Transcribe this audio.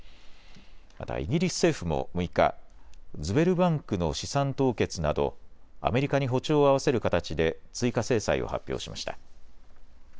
またイギリス政府も６日、ズベルバンクの資産凍結などアメリカに歩調を合わせる形で追加制裁を発表しました。